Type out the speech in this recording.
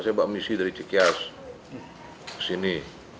saya buat misi dari cekias ke sini